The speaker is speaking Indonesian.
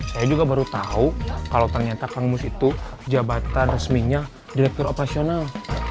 saya juga baru tahu kalau ternyata kang mus itu jabatan resminya direktur operasional